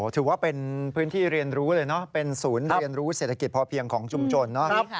ถือว่าเป็นพื้นที่เรียนรู้เลยเนอะเป็นศูนย์เรียนรู้เศรษฐกิจพอเพียงของชุมชนเนาะ